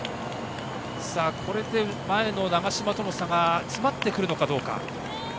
これで前の長嶋との差が詰まってくるのかどうか。